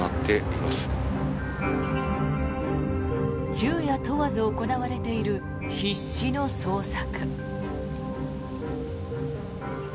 昼夜問わず行われている必死の捜索。